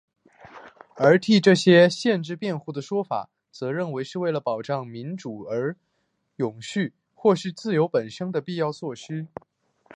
而替这些限制辩护的说法则认为这是为了保障民主的永续或是自由本身的必要措施。